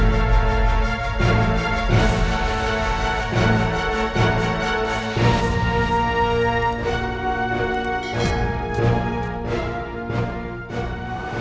aku mau ke sekolah